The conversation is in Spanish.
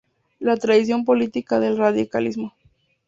La tradición política del radicalismo".